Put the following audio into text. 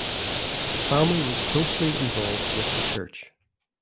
The family was closely involved with the church.